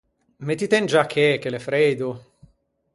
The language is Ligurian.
Mettite un giachê, che l’é freido!